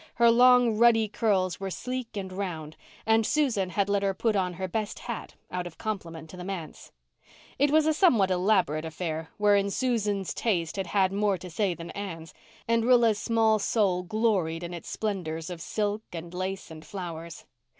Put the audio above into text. Her long ruddy curls were sleek and round, and Susan had let her put on her best hat, out of compliment to the manse. It was a somewhat elaborate affair, wherein Susan's taste had had more to say than Anne's, and Rilla's small soul gloried in its splendours of silk and lace and flowers.